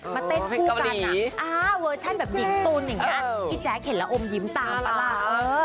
มาเต้นคู่กันเวอร์ชั่นแบบหญิงตุ๋นอย่างนี้พี่แจ๊คเห็นแล้วอมยิ้มตามประหลาด